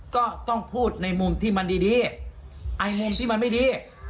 ก็ต้องพูดในมุมที่มันดีไอ้มุมที่มันไม่ดี